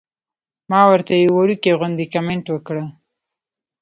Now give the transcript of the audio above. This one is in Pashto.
ما ورته يو وړوکے غوندې کمنټ وکړۀ -